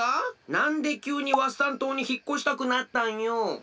なんできゅうにワッサン島にひっこしたくなったんよ？